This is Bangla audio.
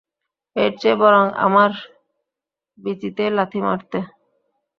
এরচেয়ে বরং আমার বিচিতেই লাথি মারতে।